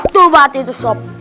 tuh pak titu sob